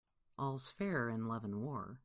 All's fair in love and war.